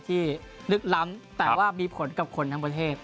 ที่ลึกล้ำแต่ว่ามีผลกับคนทั้งประเทศ